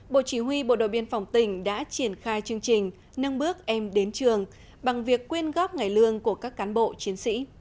bộ chỉ huy bộ đội biên phòng tỉnh đã triển khai chương trình nâng bước em đến trường bằng việc quyên góp ngày lương của các cán bộ chiến sĩ